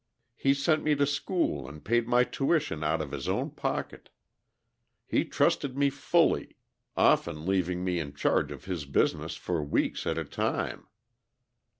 He sent me to school and paid my tuition out of his own pocket; he trusted me fully, often leaving me in charge of his business for weeks at a time.